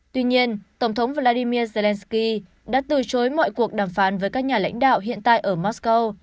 tuy nhiên tổng thống vladimir zelensky đã từ chối mọi cuộc đàm phán với các nhà lãnh đạo hiện tại ở moscow